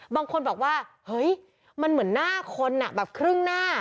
บางคนบอกว่าเฮ้ยมันเหมือนหน้าคนแบบครึ่งหน้า